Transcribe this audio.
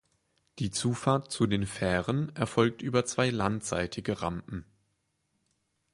Die Zufahrt zu den Fähren erfolgt über zwei landseitige Rampen.